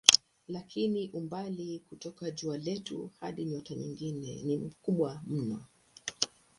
Lakini umbali kutoka jua letu hadi nyota nyingine ni mkubwa mno.